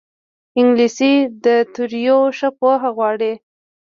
انګلیسي د توریو ښه پوهه غواړي